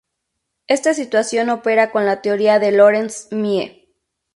Esta situación opera con la teoría de Lorenz-Mie.